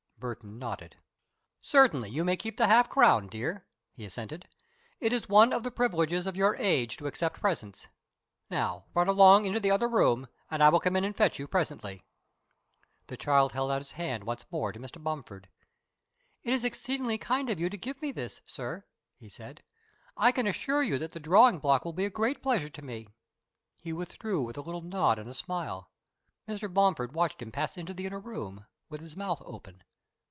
Burton nodded. "Certainly you may keep the half crown, dear," he assented. "It is one of the privileges of your age to accept presents. Now run along into the other room, and I will come in and fetch you presently." The child held out his hand once more to Mr. Bomford. "It is exceedingly kind of you to give me this, sir," he said. "I can assure you that the drawing block will be a great pleasure to me." He withdrew with a little nod and a smile. Mr. Bomford watched him pass into the inner room, with his mouth open.